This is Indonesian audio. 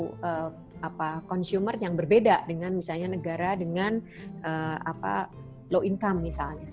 ini mungkin bisa menjadi perilaku consumer yang berbeda dengan misalnya negara dengan low income misalnya